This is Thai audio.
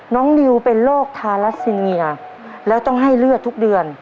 นิวเป็นโรคทาราซิเมียแล้วต้องให้เลือดทุกเดือน